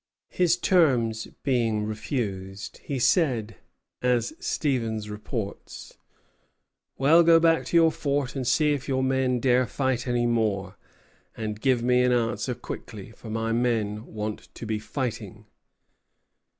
His terms being refused, he said, as Stevens reports, "Well, go back to your fort and see if your men dare fight any more, and give me an answer quickly; for my men want to be fighting."